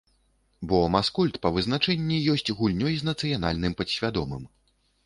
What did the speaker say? Бо маскульт па вызначэнні ёсць гульнёй з нацыянальным падсвядомым.